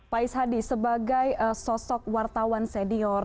pak is hadi sebagai sosok wartawan senior